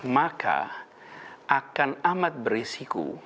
maka akan amat berisiko